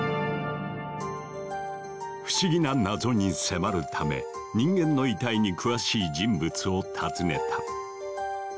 不思議な謎に迫るため人間の遺体に詳しい人物を訪ねた。